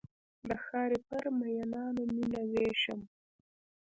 د ښارپر میینانو میینه ویشم